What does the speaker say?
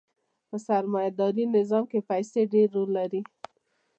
په سرمایه داري نظام کښې پیسې ډېر رول لري.